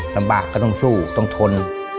ลำบากก็ต้องสู้ต้องทน